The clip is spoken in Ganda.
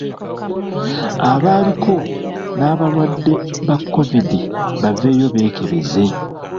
Abaaliko n'abalwadde ba kovidi baveeyo beekebeze.